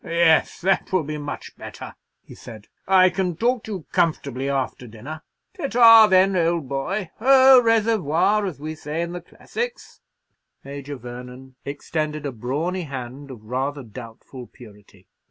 "Yes, that will be much better," he said. "I can talk to you comfortably after dinner." "Ta ta, then, old boy. 'Oh, reservoir!' as we say in the classics." Major Vernon extended a brawny hand of rather doubtful purity.